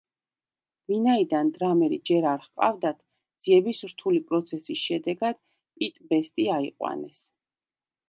ვინაიდან დრამერი ჯერ არ ჰყავდათ, ძიების რთული პროცესის შედეგად პიტ ბესტი აიყვანეს.